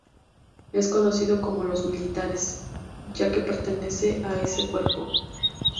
Es conocido como "los militares" ya que pertenece a ese cuerpo.